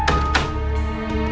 aku mau ke kamar